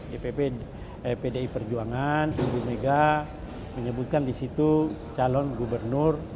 dpp pdi perjuangan tujuh mega menyebutkan disitu calon gubernur